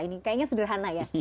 ini kayaknya sederhana ya